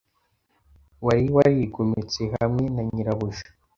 wari warigometse hamwe na nyirabuja